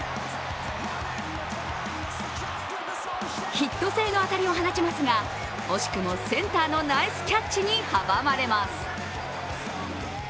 ヒット性の当たりを放ちますが、惜しくもセンターのナイスキャッチに阻まれます。